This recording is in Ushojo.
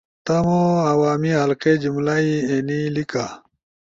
تمو عوامی حلقے جملہ ئی اینی لیِکا